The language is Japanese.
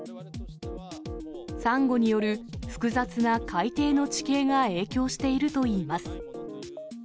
サンゴによる複雑な海底の地形が影響しているといいます。